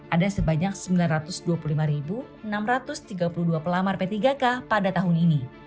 ada sebanyak sembilan ratus dua puluh lima enam ratus tiga puluh dua pelamar p tiga k pada tahun ini